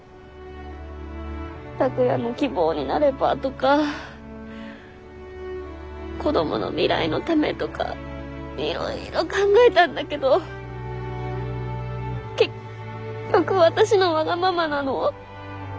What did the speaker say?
拓哉の希望になればとか子どもの未来のためとかいろいろ考えたんだけど結局私のわがままなの。